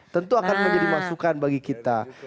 tentu akan menjadi masukan bagi kita